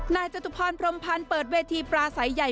นายเจ้าตุพรพรมพันธ์เปิดเวทีปลาสายใหญ่